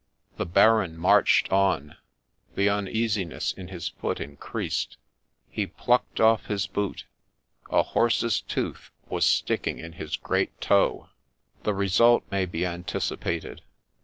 The Baron marched on ; the uneasiness in his foot increased. He plucked off his boot ;— a horse's tooth was sticking in his great toe ! The result may be anticipated.